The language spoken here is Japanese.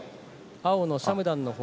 青のシャムダンのほう。